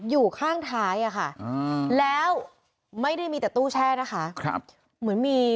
อยู่ข้างท้ายอะค่ะแล้วไม่ได้มีแต่ตู้แช่นะคะครับเหมือนมี